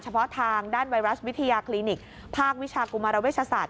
เพาะทางด้านไวรัสวิทยาคลินิกภาควิชากุมารเวชศาสต